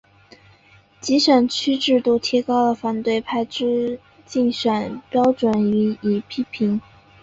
集选区制度提高了反对派之竞选标准予以批评。